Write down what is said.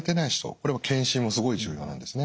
これは検診もすごい重要なんですね。